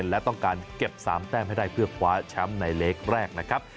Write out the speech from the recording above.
และต้องการเก็บ๓แต้มให้ได้เพื่อคว้าแชมป์ในเล็กแรกนะครับ